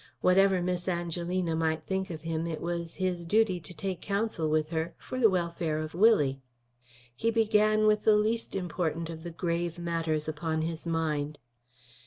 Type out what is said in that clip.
Whatever Miss Angelina might think of him, it was his duty to take counsel with her for the welfare of Willie. He began with the least important of the grave matters upon his mind.